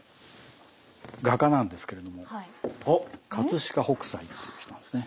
画家なんですけれども飾北斎っていう人なんですね。